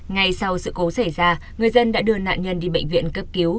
ngay sau sự cố xảy ra người dân đã đưa nạn nhân đi bệnh viện cấp cứu